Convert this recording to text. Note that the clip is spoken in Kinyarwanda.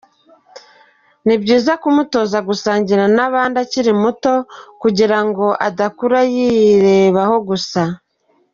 Ni byiza kumutoza gusangira n’abandi akiri muto kugira ngo adakura yirebaho gusa.